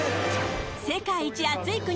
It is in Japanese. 世界一暑い国